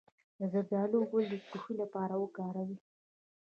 د زردالو ګل د ټوخي لپاره وکاروئ